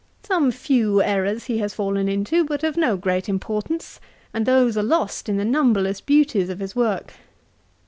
Some few errours he has fallen into, but of no great importance, and those are lost in the numberless beauties of his work.